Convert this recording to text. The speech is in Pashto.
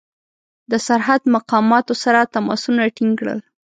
د سرحد مقاماتو سره تماسونه ټینګ کړل.